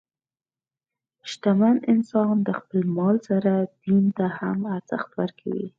شتمن انسان د خپل مال سره دین ته هم ارزښت ورکوي.